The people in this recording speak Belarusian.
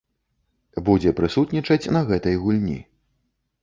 Будзе прысутнічаць на гэтай гульні.